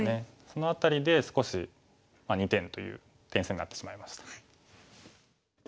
その辺りで少し２点という点数になってしまいました。